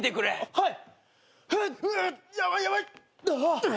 はい！